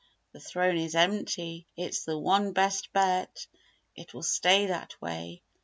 The throne is empty: "It's the one best bet, It will stay that way!"